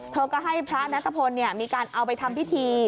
เธอก็ให้พระนัทพลมีการเอาไปทำพิธี